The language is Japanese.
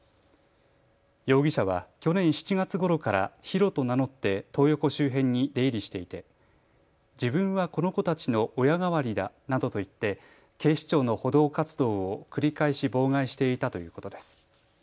容疑者は去年７月ごろからヒロと名乗ってトー横周辺に出入りしていて自分はこの子たちの親代わりだなどと言って警視庁の補導活動を繰り返し妨害していたということです。